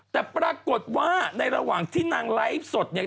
แต่ปรากฏว่าในระหว่างที่นางไลฟ์สดเนี่ย